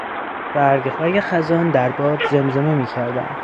برگهای خزان در باد زمزمه میکردند.